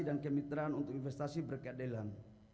dan kemitraan untuk investasi berkeadilan